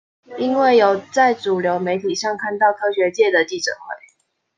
因為有在主流媒體上看到科學界的記者會